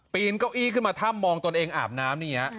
เก้าอี้ขึ้นมาถ้ำมองตนเองอาบน้ำนี่ฮะ